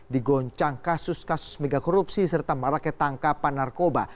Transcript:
digoncang kasus kasus megakorupsi serta maraknya tangkapan narkoba